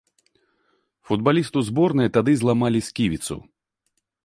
Футбалісту зборнай тады зламалі сківіцу.